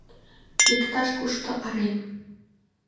Иктаж-кушто арем.